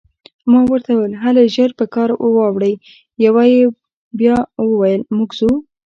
ما ورته وویل: هلئ، ژر په کار واوړئ، یوه یې بیا وویل: موږ ځو.